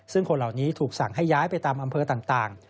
ซึ่งคนเหล่านี้ถูกสั่งให้ย้ายไปตามอำเภอต่าง